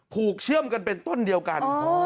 เชื่อมกันเป็นต้นเดียวกัน